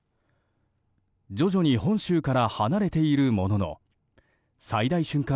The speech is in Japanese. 徐々に本州から離れているものの最大瞬間